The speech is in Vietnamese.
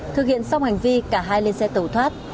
thực hiện xong hành vi cả hai lên xe tẩu thoát